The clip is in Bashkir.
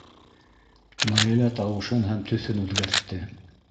Наилә тауышын һәм төҫөн үҙгәртте.